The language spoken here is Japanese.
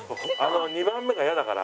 ２番目が嫌だから。